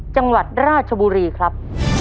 จังหวัดราชบุรีครับ